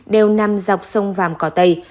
đều nằm dọc sông vàm cỏ tây